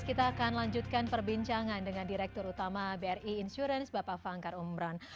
kita akan lanjutkan perbincangan dengan direktur utama bri insurance bapak fangkar umron